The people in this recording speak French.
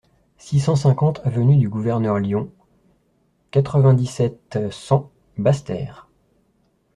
six cent cinquante avenue du Gouverneur Lyon, quatre-vingt-dix-sept, cent, Basse-Terre